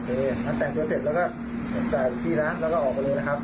โอเคถ้าแต่งตัวเสร็จเอก้อยากจ่ายกับที่หลักแล้วก็ออกไปเลยนะครับ